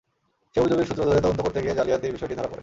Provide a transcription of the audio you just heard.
সেই অভিযোগের সূত্র ধরে তদন্ত করতে গিয়ে জালিয়াতির বিষয়টি ধরা পড়ে।